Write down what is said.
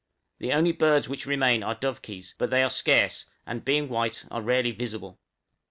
The only birds which remain are dovekies, but they are scarce, and, being white, are very rarely visible.